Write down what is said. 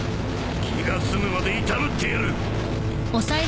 気が済むまでいたぶってやる！